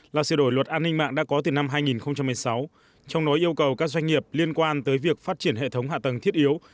là sự đổi luật an ninh mạng đã có từ năm hai nghìn một mươi sáu trong đó yêu cầu các doanh nghiệp liên quan tới việc phát triển hệ thống hạ tầng thiết yếu